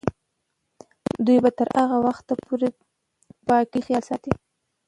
دوی به تر هغه وخته پورې د پاکۍ خیال ساتي.